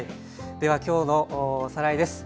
では今日のおさらいです。